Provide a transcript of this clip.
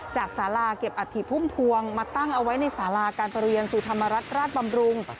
จากศาลาเก็บอาทิตย์พุ่งพวงมาตั้งเอาไว้ในศาลาการปรุยันสุธรรมรัฐราชบำรุง